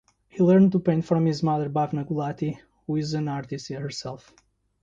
He learnt to paint from his mother Bhavna Gulati who is an artist herself.